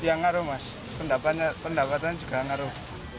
ya ngaruh mas pendapatan juga ngaruh